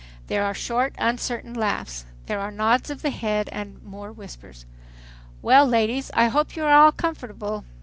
There are short, uncertain laughs. There are nods of the head and more whispers. "Well, ladies, I hope you are all comfortable.